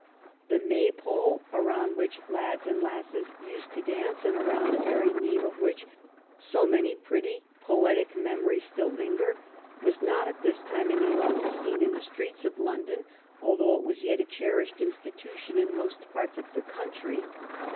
The May pole, around which lads and 207 THE REIGN OP QUEEN ANNE lasses used to dance, and around the very name of which so many pretty poetic memories still linger, was not, at this time, any longer seen in the streets of London, although it was yet a cherished institution in most parts of the country.